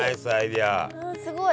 すごい。